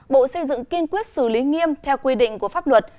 bộ xây dựng kiên quyết xử lý nghiêm theo quy định của pháp luật